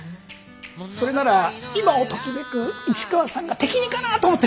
それなら今をときめく市川さんが適任かなと思って。